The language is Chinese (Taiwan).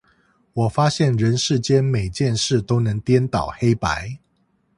我發現人世間每件事都能顛倒黑白